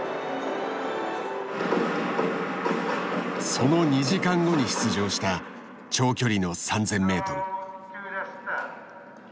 その２時間後に出場した長距離の３０００ｍ。